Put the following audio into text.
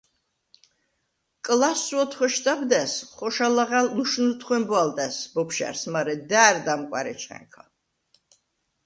კლასს უ̂ოდ ხუ̂ეშდაბდა̈ს, ხოშალაღა̈ლ ლუშნუდ ხუ̂ებუ̂ა̄ლდა̈ს ბოფშა̈რს მარე ,და̄̈რდ ამკუ̂ა̈რ ეჩხა̈ნა!